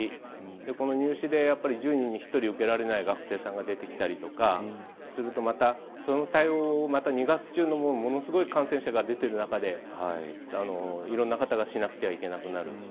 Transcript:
この入試で、１０人に１人受けられない学生さんが出てきたりとかするとまたその対応を２月中のものすごい感染者が出ている中でいろんな方がしなくてはいけなくなる。